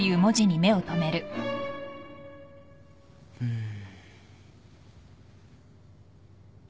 うん。